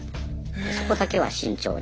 そこだけは慎重に。